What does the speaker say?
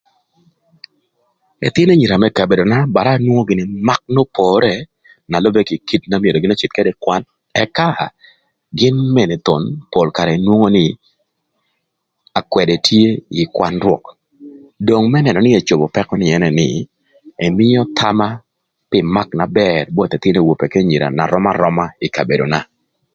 Ëthïnö anyira më kabedona bara nwongo gïnï mak n'pore na lübërë kï kit na myero gïn öcidh gïnï ködë ï kwan ëka gïn mene thon pol karë nwongo nï akwëdë tye ï kwan rwök. Dong më nënö ecobo pëkö nï ënë nï ëmïö thama pï mak na bër both ëthïnö anyira k'ëwope na röm aröma ï kabedona.